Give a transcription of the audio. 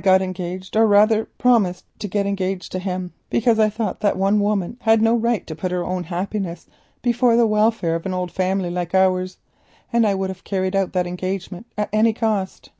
I became engaged, or rather promised to become engaged to him, because I thought that one woman had no right to put her own happiness before the welfare of an old family like ours, and I would have carried out that engagement at any cost.